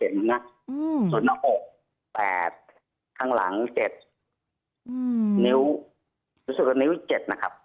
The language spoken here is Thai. ส่วนหน้าอก๘ข้างหลัง๗นิ้วรู้สึกว่านิ้ว๗นะครับ